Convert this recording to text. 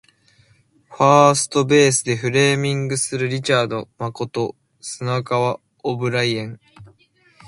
ファーストベースでフレーミングするリチャード誠砂川オブライエン